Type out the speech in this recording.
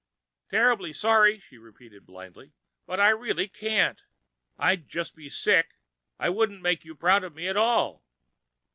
"Terribly sorry," she repeated blindly, "but I really can't. I'd just be sick. I wouldn't make you proud of me at all."